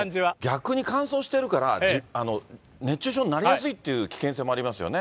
逆に乾燥してるから、熱中症になりやすいって危険性もありますよね。